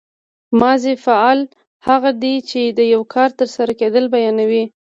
ماضي فعل هغه دی چې د یو کار تر سره کېدل بیانوي.